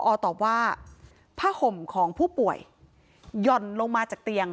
อตอบว่าผ้าห่มของผู้ป่วยหย่อนลงมาจากเตียง